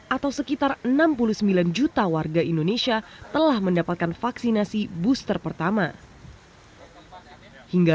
atau sekitar enam puluh sembilan juta warga indonesia telah mendapatkan vaksinasi booster pertama hingga